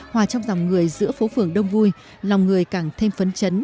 hòa trong dòng người giữa phố phường đông vui lòng người càng thêm phấn chấn